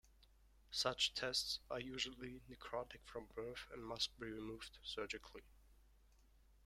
Such testes are usually necrotic from birth and must be removed surgically.